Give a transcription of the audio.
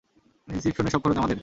রিসিপশনের সব খরচ আমাদের।